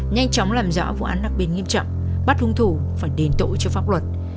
nhanh chóng làm rõ vụ án đặc biệt nghiêm trọng bắt hung thủ và đền tội cho pháp luật